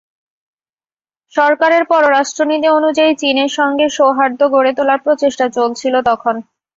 সরকারের পররাষ্ট্রনীতি অনুযায়ী চীনের সঙ্গে সৌহার্দ্য গড়ে তোলার প্রচেষ্টা চলছিল তখন।